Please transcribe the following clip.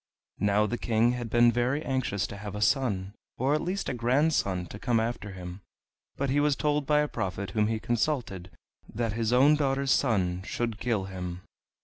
Now the King had been very anxious to have a son, or at least a grandson, to come after him, but he was told by a prophet whom he consulted that his own daughter's son should kill him.